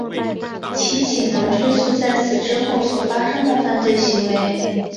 其仅能追诉在此之后所发生的犯罪行为。